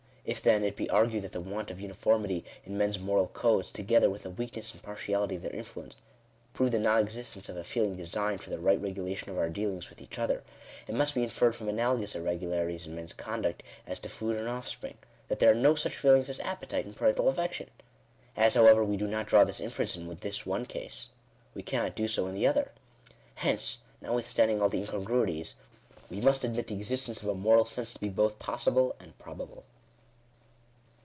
If, then, it be argued that the want of uniformity in men's moral codes, together with the weakness and partiality of their influence, prove the non existence of a feeling designed for the right regulation of our dealings with each other, it must be inferred from analogous irregularities in men's conduct as to food and offspring, that there are no such feelings as appetite and parental affection. As, however, we do not draw this inference in the one case, we cannot do so in the other. Hence, notwithstanding all , the incongruities, we must admit the exiatgncg jrf a Moral Sense to be both possible and probable.